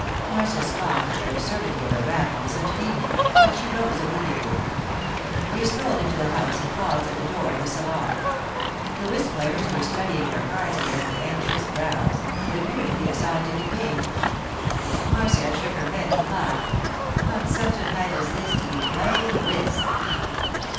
Marcia scoffed at the absurdity of a wrap on such an evening, but she rose obediently. They strolled into the house and paused at the door of the salon. The whist players were studying their cards again with anxious brows; it appeared to be a scientific game. Marcia shook her head and laughed. 'On such a night as this to be playing whist!